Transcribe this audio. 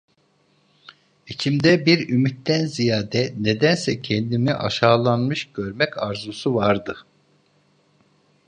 İçimde bir ümitten ziyade, nedense, kendimi aşağılanmış görmek arzusu vardı.